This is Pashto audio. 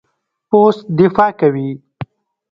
پوست دفاع کوي.